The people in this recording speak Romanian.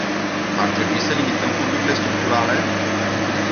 Ar trebui să limităm fondurile structurale?